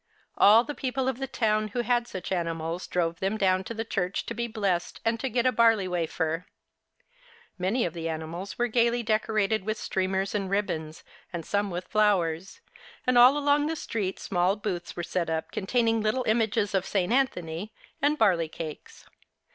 All the people of the town who had such animals drove them down to the church to be blessed and to get a barley wafer. Many of the animals were gaily decorated with streamers and ribbons, and some with flowers ; and all along the streets small booths were set up containing little images of St. Anthony and barley cakes.